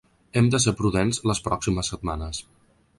Hem de ser prudents les pròximes setmanes.